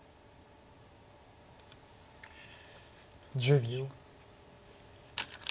１０秒。